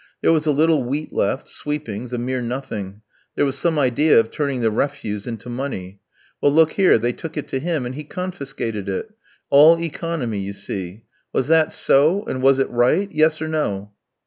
"There was a little wheat left, sweepings, a mere nothing; there was some idea of turning the refuse into money; well, look here, they took it to him, and he confiscated it. All economy, you see. Was that so, and was it right yes or no?"